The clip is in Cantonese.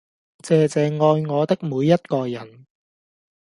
謝謝愛我的每一個人